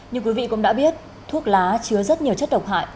như quý vị cũng đã biết thuốc lá chứa rất nhiều chất độc hại